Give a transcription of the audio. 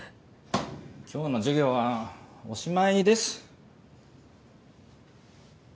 今日の授業はおしまいです。